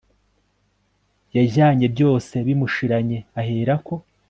yajyanye byose bimushiranye, aherako